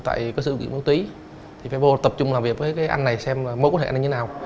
tại cơ sở diễn báo tí